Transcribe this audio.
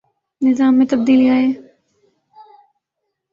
نظام میں تبدیلی آئے۔